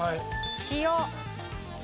塩。